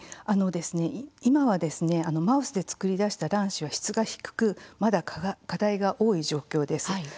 今はマウスで作り出した卵子は質が低く、まだ課題が多い状況です。